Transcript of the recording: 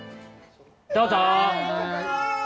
どうぞ！